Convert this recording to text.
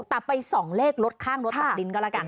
แต่ไปส่องเลขรถข้างรถตักดินก็แล้วกัน